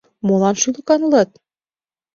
— Молан шӱлыкан улат?